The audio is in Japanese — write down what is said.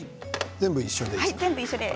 全部一緒でいいです。